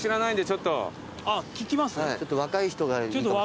ちょっと若い人が。